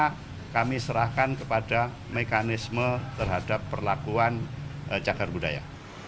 karena kami serahkan kepada mekanisme terhadap perlakuan cagar budaya